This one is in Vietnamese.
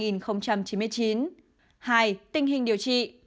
hai tình hình điều trị